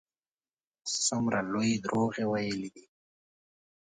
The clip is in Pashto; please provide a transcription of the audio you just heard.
څومره لوی دروغ ویلي دي.